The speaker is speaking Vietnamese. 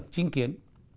hòa hợp chính kiến